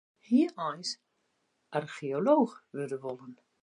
Hy hie eins archeolooch wurde wollen.